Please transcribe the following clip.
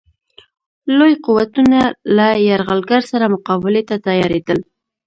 لوی قوتونه له یرغلګر سره مقابلې ته تیارېدل.